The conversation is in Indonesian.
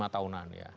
lima tahunan ya